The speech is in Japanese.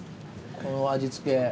この味付け。